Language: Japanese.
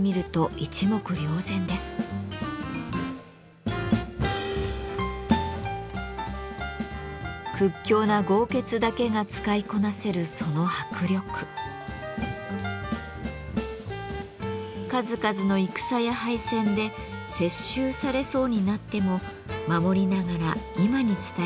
数々の戦や敗戦で接収されそうになっても守りながら今に伝えられました。